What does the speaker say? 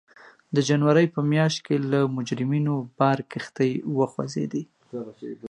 د جنورۍ په میاشت کې له مجرمینو بار کښتۍ وخوځېدې.